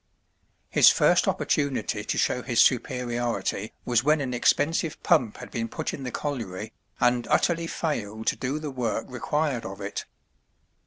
His first opportunity to show his superiority was when an expensive pump had been put in the colliery, and utterly failed to do the work required of it.